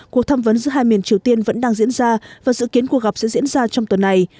cuộc thăm vấn giữa hai miền triều tiên vẫn đang diễn ra và dự kiến cuộc gặp sẽ diễn ra trong tuần này